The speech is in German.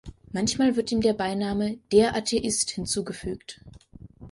Manchmal wird ihm der Beiname "„der Atheist“" hinzugefügt.